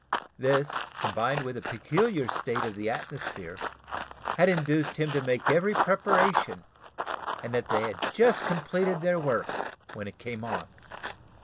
This, combined with the peculiar state of the atmosphere, had induced him to make every preparation, and that they had just completed their work when it came on.